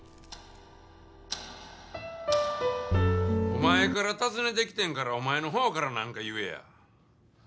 お前から訪ねて来てんからお前のほうからなんか言えや。